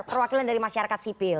perwakilan dari masyarakat sipil